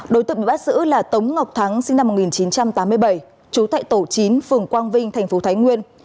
đối tượng bị bắt giữ là tống ngọc thắng sinh năm một nghìn chín trăm tám mươi bảy trú tại tổ chín phường quang vinh thành phố thái nguyên